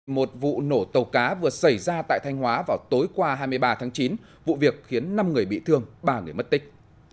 một vụ nổ tàu cá vừa xảy ra tại thanh hóa vào tối qua hai mươi ba tháng chín vụ việc khiến năm người bị thương ba người mất tích